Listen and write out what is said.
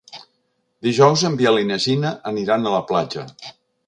Dijous en Biel i na Gina aniran a la platja.